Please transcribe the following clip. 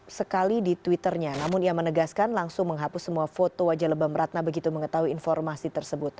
sekali di twitternya namun ia menegaskan langsung menghapus semua foto wajah lebam ratna begitu mengetahui informasi tersebut